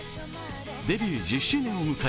デビュー１０周年を迎え